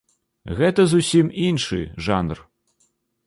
Гэта зусім іншы жанр.